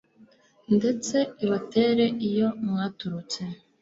ndetse ibatere iyo mwaturutse